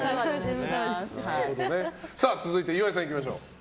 続いて岩井さん行きましょう。